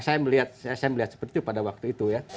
saya melihat seperti itu pada waktu itu ya